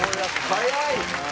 早い！